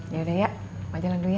yaudah ya gak jalan dulu ya